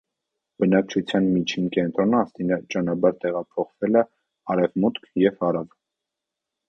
Բնակչության միջին կենտրոնը աստիճանաբար տեղափոխվել է արևմուտք և հարավ։